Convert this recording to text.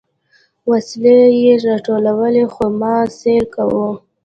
وسلې يې راټولولې خو ما سيل کاوه.